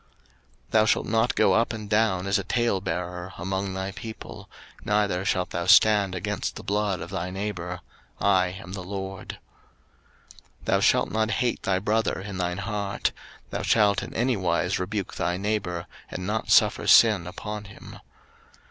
03:019:016 Thou shalt not go up and down as a talebearer among thy people: neither shalt thou stand against the blood of thy neighbour; I am the LORD. 03:019:017 Thou shalt not hate thy brother in thine heart: thou shalt in any wise rebuke thy neighbour, and not suffer sin upon him.